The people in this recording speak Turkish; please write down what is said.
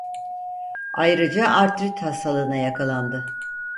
Ayrıca artrit hastalığına yakalandı.